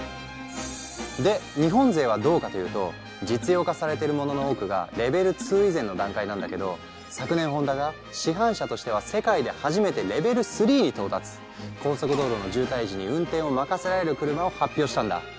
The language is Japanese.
で日本勢はどうかというと実用化されてるものの多くがレベル２以前の段階なんだけど昨年高速道路の渋滞時に運転を任せられる車を発表したんだ。